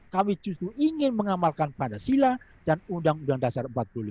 kami justru ingin mengamalkan pancasila dan undang undang dasar empat puluh lima